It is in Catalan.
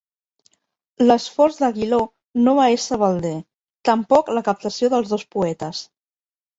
L'esforç d'Aguiló no va ésser balder, tampoc la captació dels dos poetes.